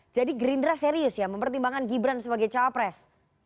jadi gerindra serius ya mempertimbangkan gibran sebagai cawapres